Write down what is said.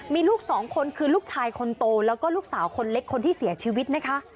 มีลูกสองคนคือลูกชายคนโตแล้วก็ลูกสาวคนเล็กคนที่เสียชีวิตนะคะ